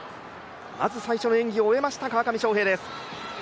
まず最初の演技を追えました川上翔平です。